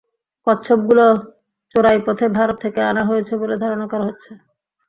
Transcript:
কচ্ছপগুলো চোরাই পথে ভারত থেকে আনা হয়েছে বলে ধারণা করা হচ্ছে।